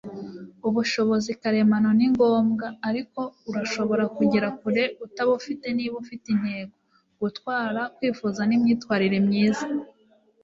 ubushobozi karemano ni ngombwa, ariko urashobora kugera kure utabufite niba ufite intego, gutwara, kwifuza n'imyitwarire myiza